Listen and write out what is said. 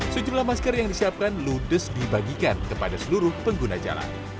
sejumlah masker yang disiapkan ludes dibagikan kepada seluruh pengguna jalan